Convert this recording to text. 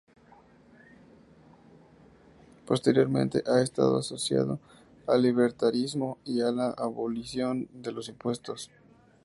Posteriormente, ha estado asociado al libertarismo y a la abolición de los impuestos.